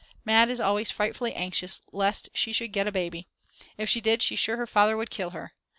Mad. is always frightfully anxious lest she should get a baby. If she did she's sure her father would kill her.